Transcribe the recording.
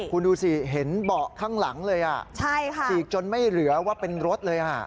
คุณดูสิเห็นเบาะข้างหลังเลยฉีกจนไม่เหลือว่าเป็นรถเลย